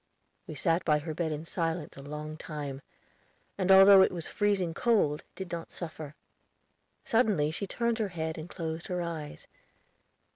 We sat by her bed in silence a long time, and although it was freezing cold, did not suffer. Suddenly she turned her head and closed her eyes.